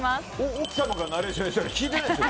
奥さんがナレーションしてたの聞いてないでしょ？